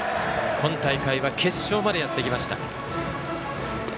今大会は決勝までやってきました。